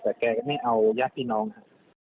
แต่แกก็ไม่เอาญาติพี่น้องครับ